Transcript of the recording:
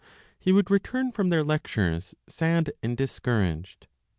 He would return from their lectures sad and discouraged.